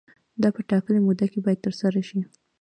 دا په ټاکلې موده کې باید ترسره شي.